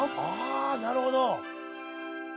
ああなるほど。